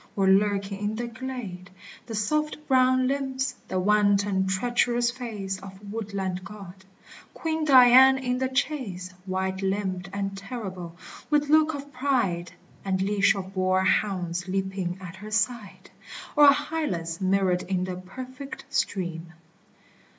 or lurking in the glade, The soft brown limbs, the wanton treacherous face Of woodland god ! Queen Dian in the chase, White limbed and terrible, with look of pride, And leash of boar hounds leaping at her side ! Or Hylas mirrored in the perfect stream.